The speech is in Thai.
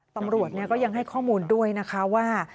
ตำรวจก็ยังให้ข้อมูลด้วยนะคะว่า